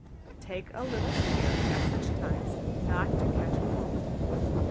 Take a little extra care, at such times, not to catch cold.